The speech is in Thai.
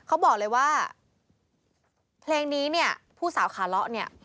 เขาบอกเลยว่าเพลงนี้เนี่ยผู้สาวขาเลาะเนี่ย